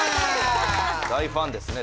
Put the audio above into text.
大ファンですね